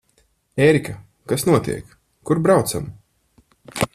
Ērika, kas notiek? Kur braucam?